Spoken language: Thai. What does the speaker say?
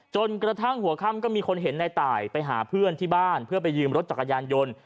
จนกระทั่งหัวค่ำก็มีคนเห็นในตายไปหาเพื่อนที่บ้านเพื่อไปยืมรถจักรยานยนต์